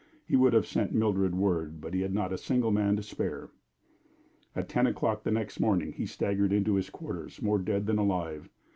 He would have sent Mildred word, but he had not a single man to spare. At ten o'clock the next morning he staggered into his quarters, more dead than alive.